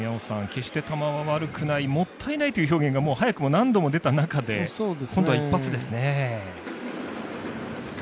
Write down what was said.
決して球は悪くないもったいないという表現が早くも何度も出た中で今度は一発ですね。